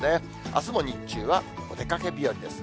あすも日中はお出かけ日和です。